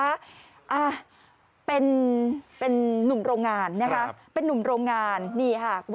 อ่าเป็นหนุ่มโรงงานเนี่ยค่ะ